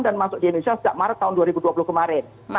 dan masuk di indonesia sejak maret dua ribu dua puluh kemarin